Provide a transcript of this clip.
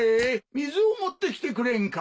水を持ってきてくれんか？